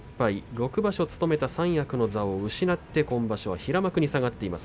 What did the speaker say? ６場所務めた三役の座を失って今場所、平幕に下がっています。